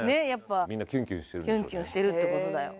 みんなキュンキュンしてるんでしょうね